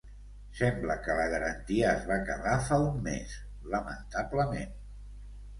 Sembla que la garantia es va acabar fa un mes, lamentablement.